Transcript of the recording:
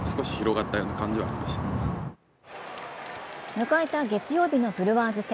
迎えた月曜日のブルワーズ戦。